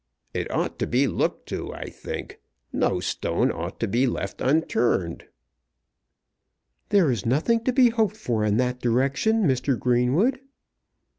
It ought to be looked to, I think. No stone ought to be left unturned." "There is nothing to be hoped for in that direction, Mr. Greenwood."